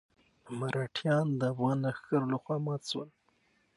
مرهټیان د افغان لښکرو لخوا مات شول.